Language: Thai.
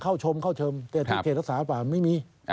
เข้าชมเข้าชมแต่ที่เขตรักษาป่าไม่มี